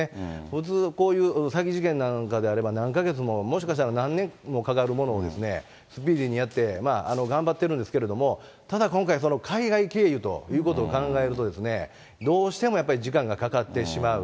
普通、こういう詐欺事件なんかであれば、何か月も、もしかしたら何年もかかるものを、スピーディーにやって、頑張ってるんですけど、ただ今回、海外経由ということを考えると、どうしてもやっぱり時間がかかってしまう。